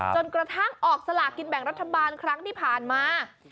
จนกระทั่งออกสลากินแบ่งรัฐบาลครั้งที่ผ่านมา